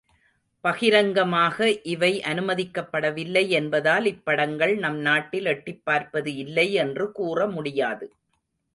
பகிரங்கமாக இவை அனுமதிக்கப்படவில்லை என்பதால் இப்படங்கள் நம் நாட்டில் எட்டிப் பார்ப்பது இல்லை என்று கூற முடியாது.